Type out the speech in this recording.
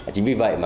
chính vì vậy mà